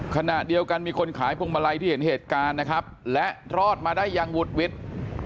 ขณะเดียวกันมีคนขายพวงมาลัยที่เห็นเหตุการณ์นะครับและรอดมาได้อย่างวุดวิด